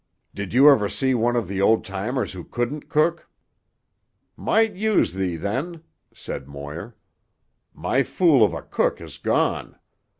Did you ever see one of the old timers who couldn't cook?" "Might use thee then," said Moir. "My fool of a cook has gone.